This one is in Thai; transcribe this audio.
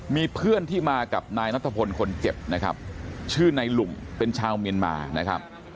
มีเพื่อนที่มากับนายนัทพลคนเจ็บนะครับชื่อนายหลุมเป็นชาวเมียนมานะครับ